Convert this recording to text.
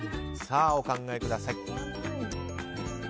お考えください。